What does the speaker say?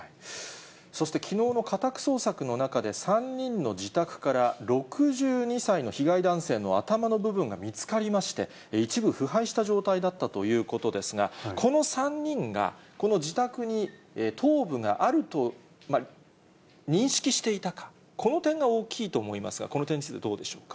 そしてきのうの家宅捜索の中で３人の自宅から６２歳の被害男性の頭の部分が見つかりまして、一部腐敗した状態だったということですが、この３人が、この自宅に頭部があると認識していたか、この点が大きいと思いますが、この点についてどうでしょうか。